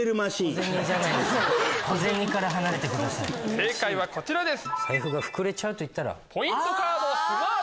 正解はこちらです。